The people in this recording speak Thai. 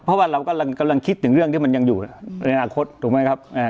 เพราะว่าเรากำลังคิดถึงเรื่องที่มันยังอยู่ในอนาคตถูกไหมครับ